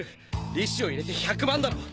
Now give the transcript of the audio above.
利子を入れて１００万だろ？